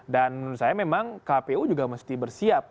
dan saya memang kpu juga mesti bersiap